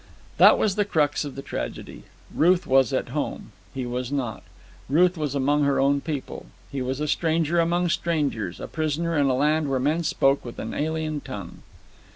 That was the crux of the tragedy. Ruth was at home. He was not. Ruth was among her own people. He was a stranger among strangers, a prisoner in a land where men spoke with an alien tongue.